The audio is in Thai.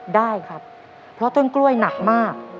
ได้ครับเพราะต้นกล้วยหนักมาก